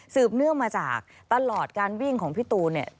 สืบเนื่องมาจากตลอดการวิ่งของพี่ตูน